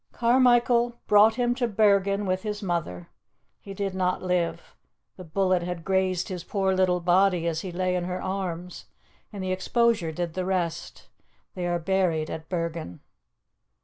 "Carmichael brought him to Bergen, with his mother. He did not live. The bullet had grazed his poor little body as he lay in her arms, and the exposure did the rest. They are buried at Bergen."